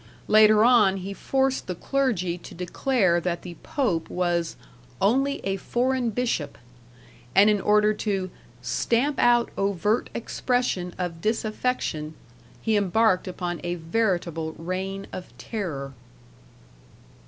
Later on he forced the clergy to declare that the Pope was "only a foreign bishop", and in order to "stamp out overt expression of disaffection, he embarked upon a veritable reign of terror".